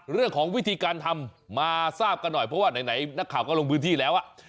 วิธีการทำมาทราบกันหน่อยเพราะว่าไหนนักข่าวก็ลงพื้นที่แล้ว